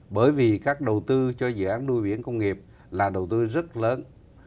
bởi vì các đầu tư cho dự án nuôi biển công nghiệp là đầu tư rất lớn